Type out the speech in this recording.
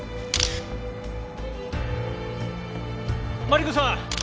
マリコさん！